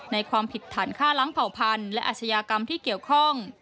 ความผิดฐานฆ่าล้างเผ่าพันธุ์และอาชญากรรมที่เกี่ยวข้อง